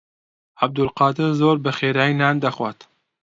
عەبدولقادر زۆر بەخێرایی نان دەخوات.